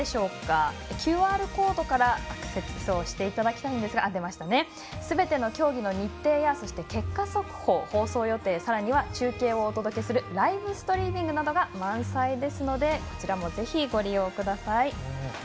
左上のＱＲコードからアクセスしていただきたいんですがすべての競技の日程や結果速報放送予定、中継をお届けするライブストリーミングなどが満載ですのでこちらもぜひご利用ください。